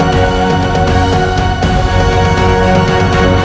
jangan berani merawat